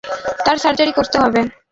তার সার্জারি করতে হবে।